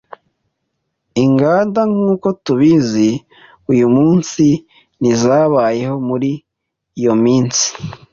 Inganda nkuko tubizi uyumunsi ntizabayeho muri iyo minsi.